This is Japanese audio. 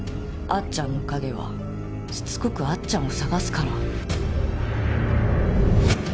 あっちゃんの影はしつこくあっちゃんを捜すから。